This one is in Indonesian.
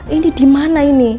ini dimana ini